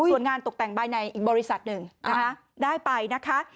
ส่วนงานตกแต่งใบในอีกบริษัทหนึ่งนะคะได้ไปนะคะ